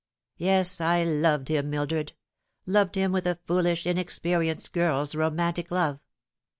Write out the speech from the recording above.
"Yes, I loved him, Mildred loved him with a foolish, inexperienced girl's romantic love.